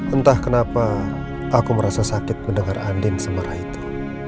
entah kenapa aku merasa sakit mendengar andin semarah itu